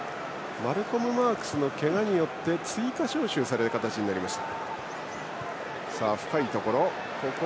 マルコム・マークスのけがによって追加招集される形になりました。